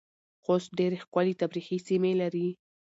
خوست ډیرې ښکلې تفریحې سیمې لرې